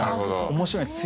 面白いんです。